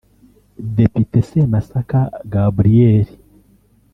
Depite Semasaka Gabriel